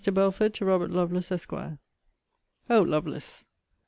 BELFORD, TO ROBERT LOVELACE, ESQ. O Lovelace!